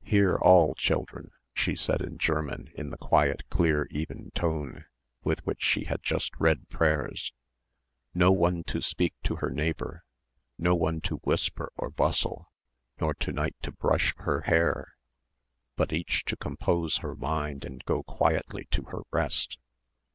"Hear, all, children," she said in German in the quiet clear even tone with which she had just read prayers, "no one to speak to her neighbour, no one to whisper or bustle, nor to night to brush her hair, but each to compose her mind and go quietly to her rest.